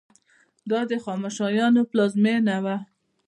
دا د هخامنشیانو پلازمینه وه.